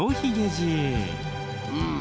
うん。